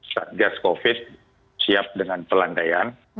saat gas covid siap dengan pelandaian